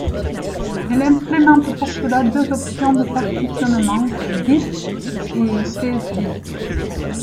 Elle implémente pour cela deux options de partitionnement, fdisk et cfdisk.